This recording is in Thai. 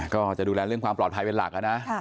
ก็จะดูแลเรื่องความปลอดภัยเป็นหลักนะ